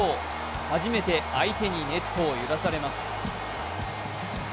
初めて相手にネットを揺らされます。